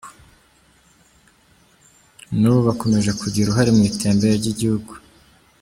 N’ubu bakomeje kugira uruhare mu iterambere ry’igihugu.